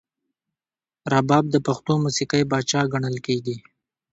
رباب د پښتو موسیقۍ پاچا ګڼل کیږي.